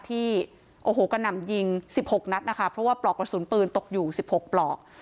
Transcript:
ที่กระหน่ำยิงสิบหกนัดนะคะเพราะว่าปลอกกระสุนปืนตกอยู่สิบหกปลอก